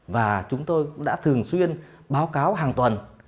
và chúng tôi cũng đã thường xuyên báo cáo hàng tuần